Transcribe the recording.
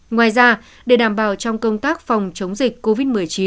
ngoài ra để đảm bảo trong công tác phòng chống dịch covid một mươi chín